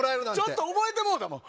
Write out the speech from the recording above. ちょっと覚えてもうたもん。